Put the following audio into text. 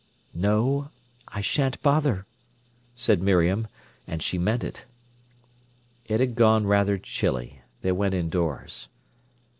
"No, I shan't bother," said Miriam. And she meant it. It had gone rather chilly. They went indoors.